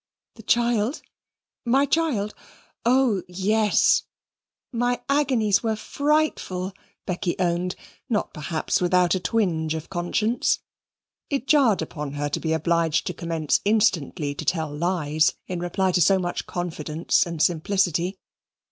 "The child, my child? Oh, yes, my agonies were frightful," Becky owned, not perhaps without a twinge of conscience. It jarred upon her to be obliged to commence instantly to tell lies in reply to so much confidence and simplicity.